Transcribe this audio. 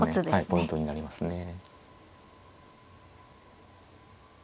ポイントになりますね。